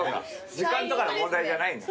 時間とかの問題じゃないんだ。